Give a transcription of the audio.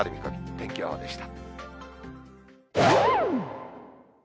天気予報でした。